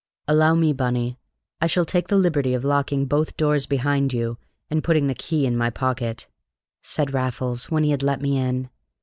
"Allow me, Bunny! I shall take the liberty of locking both doors behind you and putting the key in my pocket," said Raffles, when he had let me in.